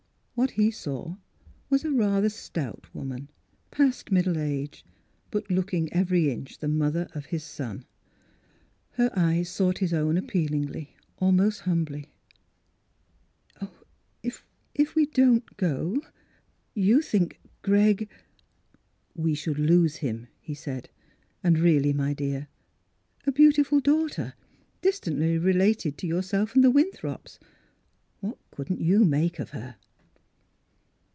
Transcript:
What he saw Avas a rather stout woman, past middle age, but looking every inch the mother of his son. Her eyes sought his own appealingly, almost humbly. " If we — if we don't go, you think Greg—?" " We should Ibse him," he said. " And, really, my dear, a beautiful daughter, distantly related to yourself and the Win throps, what couldn't you make of her?